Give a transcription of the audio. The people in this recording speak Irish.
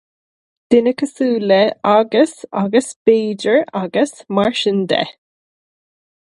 Daoine cosúil le agus agus b'fhéidir agus mar sin de.